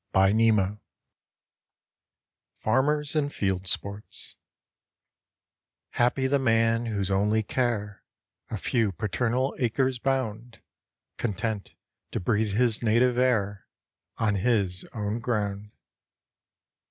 XVIII FARMERS AND FIELD SPORTS "Happy the man whose only care A few paternal acres bound, Content to breathe his native air On his own ground."